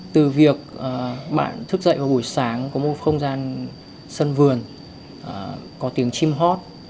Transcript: từ việc bạn thức dậy vào buổi sáng có một không gian sân vườn có tiếng chim hot